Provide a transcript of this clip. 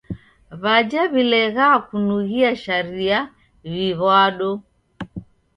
W'aja w'ileghaa kunughia sharia w'iw'ado.